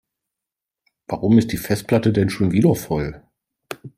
Warum ist die Festplatte denn schon wieder voll?